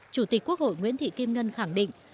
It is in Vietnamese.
chủ tịch quốc hội nguyễn thị kim ngân khẳng định